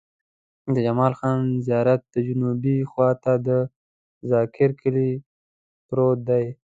د جمال خان زيارت جنوبي خوا ته د ذاکر کلی پروت دی.